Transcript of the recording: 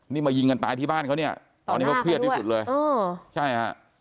นี่มายิงกันตายที่บ้านเขาเนี่ยตอนนี้เขาเครียดที่สุดเลยอ๋อใช่ฮะ